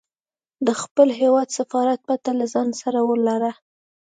د خپل هیواد سفارت پته له ځانه سره ولره.